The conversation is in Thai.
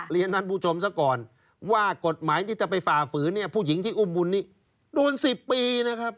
เรียนท่านผู้ชมซะก่อนว่ากฎหมายที่จะไปฝ่าฝืนเนี่ยผู้หญิงที่อุ้มบุญนี้โดน๑๐ปีนะครับ